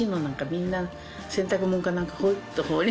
みんな洗濯物か何かホイっと。